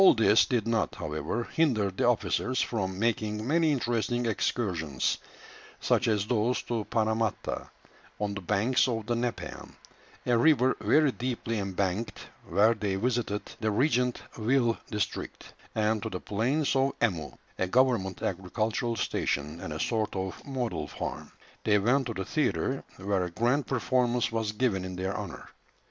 All this did not, however, hinder the officers from making many interesting excursions, such as those to Paramatta, on the banks of the Nepean, a river very deeply embanked, where they visited the Regent Ville district; and to the "plains of Emu," a government agricultural station, and a sort of model farm. They went to the theatre, where a grand performance was given in their honour.